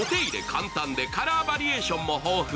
簡単でカラーバリエーションも豊富。